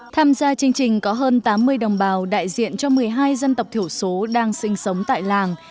tham gia chương trình có hơn tám mươi đồng bào đại diện cho một mươi hai dân tộc thiểu số đang sinh sống tại làng